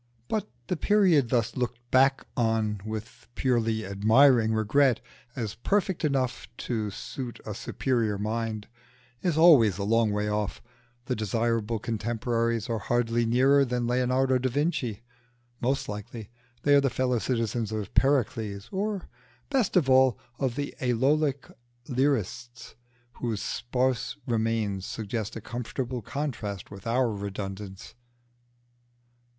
But the period thus looked back on with a purely admiring regret, as perfect enough to suit a superior mind, is always a long way off; the desirable contemporaries are hardly nearer than Leonardo da Vinci, most likely they are the fellow citizens of Pericles, or, best of all, of the Aeolic lyrists whose sparse remains suggest a comfortable contrast with our redundance.